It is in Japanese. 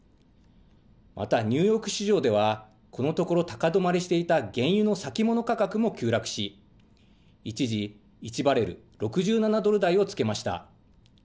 またニューヨーク市場では、このところ高止まりしていた原油の先物価格も急落し、一時１バレル６７ドル台をつけました。